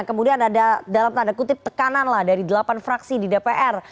kemudian ada dalam tanda kutip tekanan lah dari delapan fraksi di dpr